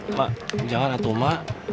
emak jangan ato emak